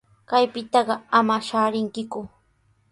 Kaypitaqa ama shaarinkiku.